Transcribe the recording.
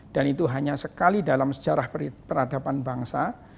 dan itu hanya sekali dalam sejarah peradaban bangsa